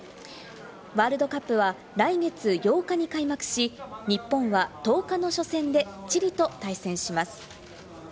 ワールドカップは来月８日に開幕し、日本は１０日の初戦でチリと対戦します。